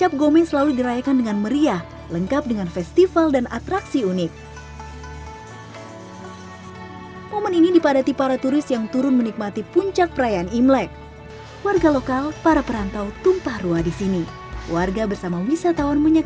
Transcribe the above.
bunyi tambur dan simbal memecah keheningan kota singkawang